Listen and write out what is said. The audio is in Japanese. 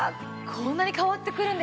こんなに変わってくるんですね。